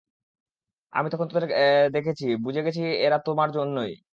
আমি যখন তাদের দেখেছি, বুঝে গেছি এরা তোমার জন্যই।